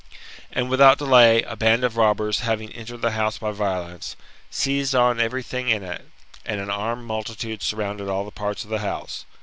And without delay, a band of robbers having entered the house by violence, seized on every thing in it, and an armed multitude surrounded all the parts of the house.